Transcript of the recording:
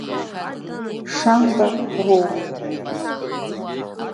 Шамба роуп.